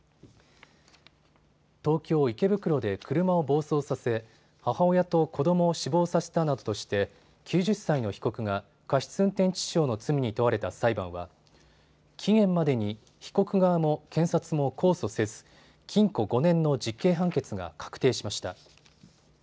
東京池袋で車を暴走させ母親と子どもを死亡させたなどとして９０歳の被告が過失運転致死傷の罪に問われた裁判は期限までに被告側も検察も控訴せず、禁錮５年の実刑判決が確定しました。